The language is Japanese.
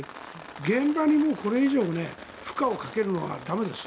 現場にこれ以上負荷をかけるのは駄目です。